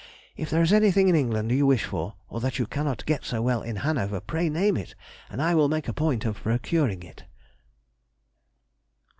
If there is anything in England you wish for, or that you cannot get so well in Hanover, pray name it, and I will make a point of procuring it....